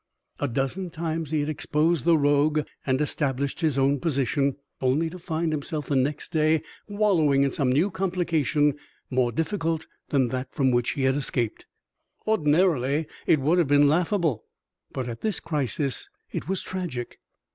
A dozen times he had exposed the rogue and established his own position, only to find himself the next day wallowing in some new complication more difficult than that from which he had escaped. Ordinarily it would have been laughable, but at this crisis it was tragic.